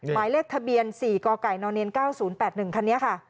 หมายเลขทะเบียน๔กกน๙๐๘๑คันนี้ค่ะ